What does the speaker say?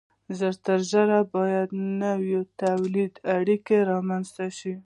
ژر تر ژره باید نوې تولیدي اړیکې رامنځته شي.